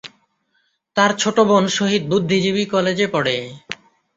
তার ছোট বোন শহীদ বুদ্ধিজীবী কলেজে পড়ে।